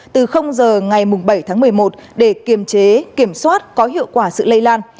từ h ngày bảy tháng một mươi một để kiểm soát có hiệu quả sự lây lan